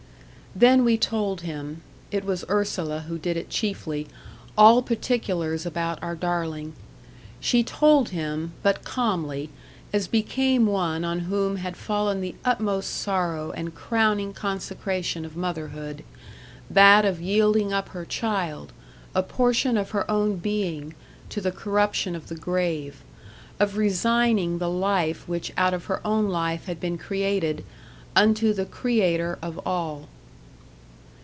Then we told him it was Ursula who did it chiefly all particulars about our darling. She told him, but calmly, as became one on whom had fallen the utmost sorrow and crowning consecration of motherhood that of yielding up her child, a portion of her own being, to the corruption of the grave of resigning the life which out of her own life had been created, unto the Creator of all.